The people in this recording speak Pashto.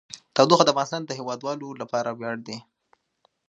تودوخه د افغانستان د هیوادوالو لپاره ویاړ دی.